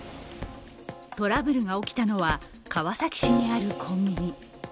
トラブルが起きたのは川崎市にあるコンビニ。